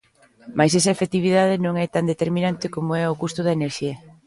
Mais esa efectividade non é tan determinante como o é o custo da enerxía.